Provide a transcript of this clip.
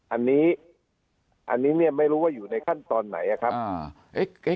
อันนี้ไม่รู้ว่าอยู่ในขั้นตอนไหนครับ